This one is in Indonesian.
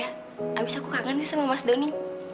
habis aku kangen sih sama mas doni